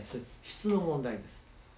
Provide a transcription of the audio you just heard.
質の問題です。